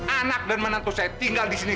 anak dan menantu saya tinggal disini